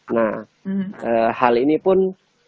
nah hal ini pun